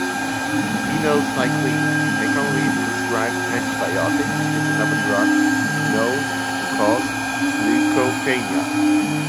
Minocycline, a commonly prescribed antibiotic, is another drug known to cause leukopenia.